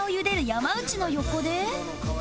山内の横で